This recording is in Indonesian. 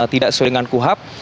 tidak sesuai dengan kuhap